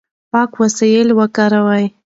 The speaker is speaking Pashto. پاک وسایل وکاروئ.